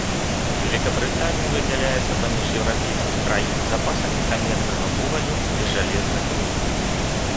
Вялікабрытанія выдзяляецца паміж еўрапейскіх краін запасамі каменнага вугалю і жалезных руд.